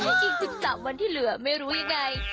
อีก๑๓วันที่เหลือไม่รู้ยังไง